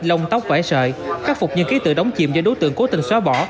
lông tóc vải sợi khắc phục những ký tự đóng chìm do đối tượng cố tình xóa bỏ